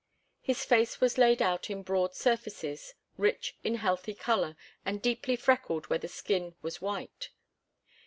His face was laid out in broad surfaces, rich in healthy colour and deeply freckled where the skin was white.